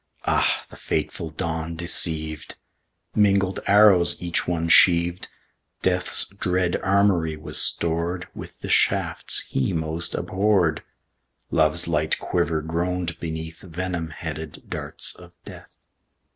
Ah, the fateful dawn deceived! Mingled arrows each one sheaved; Death's dread armoury was stored With the shafts he most abhorred; Love's light quiver groaned beneath Venom headed darts of Death.